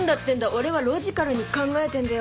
俺はロジカルに考えてんだよ。